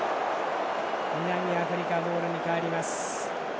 南アフリカボールに変わります。